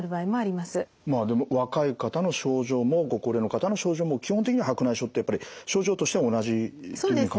まあでも若い方の症状もご高齢の方の症状も基本的には白内障ってやっぱり症状としては同じというふうに考えていいんですか？